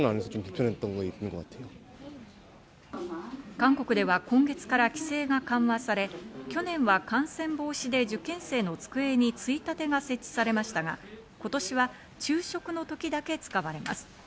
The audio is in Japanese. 韓国では今月から規制が緩和され、去年は感染防止で受験生の机についたてが設置されましたが、今年は昼食の時だけ使われます。